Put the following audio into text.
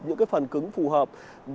những cái phần cứng phù hợp